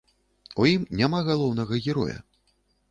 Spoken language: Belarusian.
У ім няма галоўнага героя.